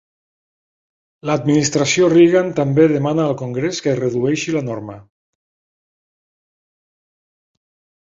L'administració Reagan també demana al congrés que redueixi la norma.